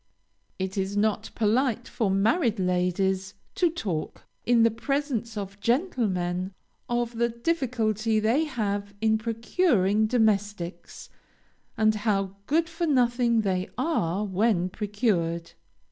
It is not polite for married ladies to talk, in the presence of gentlemen, of the difficulty they have in procuring domestics, and how good for nothing they are when procured.